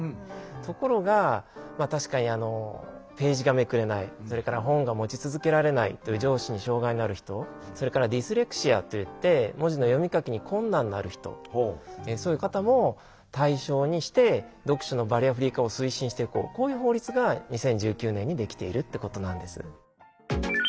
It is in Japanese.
ところが確かにページがめくれないそれから本が持ち続けられないという上肢に障害のある人それからディスレクシアといって文字の読み書きに困難のある人そういう方も対象にして読書のバリアフリー化を推進していこうこういう法律が２０１９年にできているってことなんです。